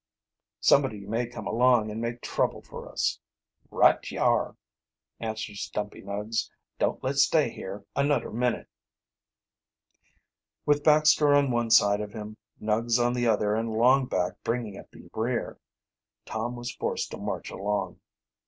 "Somebody may come along and make trouble for us." "Right ye are," answered Stumpy Nuggs. "Don't let's stay here anudder minit." With Baxter on one side of him, Nuggs on the other, and Longback bringing up the rear, Tom was forced to march along.